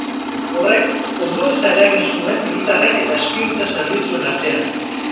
Horrek ondoeza eragin zuen militarren eta espioitza zerbitzuen artean.